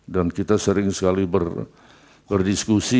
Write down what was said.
dan kita sering sekali berdiskusi